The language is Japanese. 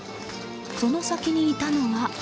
その先にいたのは。